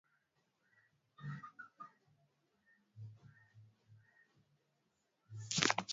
Wanyama kujikuna kwenye kuta na miti ni dalili muhimu ya ugonjwa wa ukurutu